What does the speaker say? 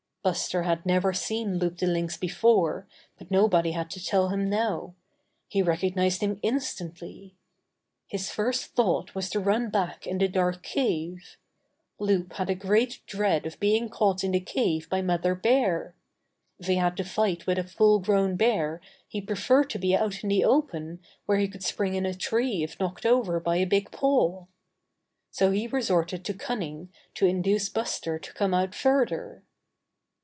Buster had never seen Loup the Lynx be fore, but nobody had to tell him now. He recognized him instantly. His first thought was to run back in the dark cave. Loup had a great dread of being caught in the cave by Mother Bear. If he had to fight with a full grown bear he preferred to be out in the open where he could spring in a tree if knocked over by a big paw. So he resorted to cunning to induce Buster to come out further.